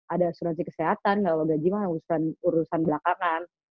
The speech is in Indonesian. ada asuransi kesehatan enggak apa apa gaji mah urusan belakangan